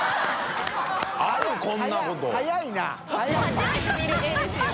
初めて見る絵ですよ